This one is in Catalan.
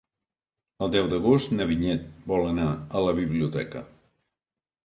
El deu d'agost na Vinyet vol anar a la biblioteca.